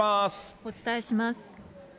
お伝えします。